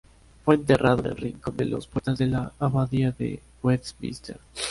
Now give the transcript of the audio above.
Fue enterrado en el Rincón de los Poetas de la Abadía de Westminster.